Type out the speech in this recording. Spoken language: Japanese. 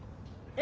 え？